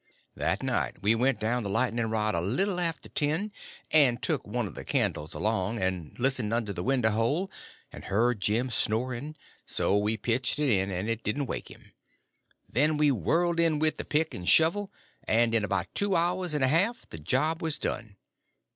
That night we went down the lightning rod a little after ten, and took one of the candles along, and listened under the window hole, and heard Jim snoring; so we pitched it in, and it didn't wake him. Then we whirled in with the pick and shovel, and in about two hours and a half the job was done.